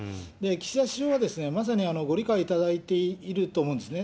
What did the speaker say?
岸田氏はまさにご理解いただいていると思うんですね。